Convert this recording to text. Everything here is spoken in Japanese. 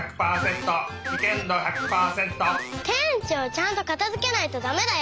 ちゃんとかたづけないとだめだよ！